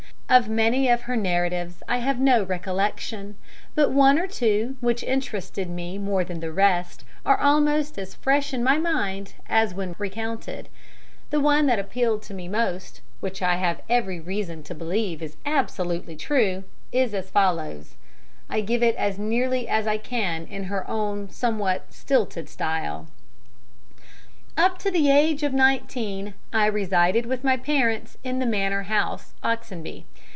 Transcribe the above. Of many of her narratives I have no recollection, but one or two, which interested me more than the rest, are almost as fresh in my mind as when recounted. The one that appealed to me most, and which I have every reason to believe is absolutely true, is as follows: I give it as nearly as I can in her own somewhat stilted style: "Up to the age of nineteen, I resided with my parents in the Manor House, Oxenby.